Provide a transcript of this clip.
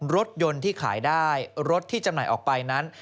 รถยนต์ที่ขายได้รถที่จำหน่ายออกไปนั้น